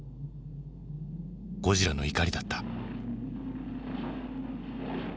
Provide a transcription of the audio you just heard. ゴジラの怒りだった。